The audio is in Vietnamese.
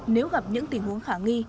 nếu gặp những tình huống khả nghi